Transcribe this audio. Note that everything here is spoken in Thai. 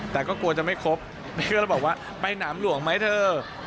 แต่ก็กลัวจะไม่ครบเพราะว่าไปหนามหลวงไหมเถอะ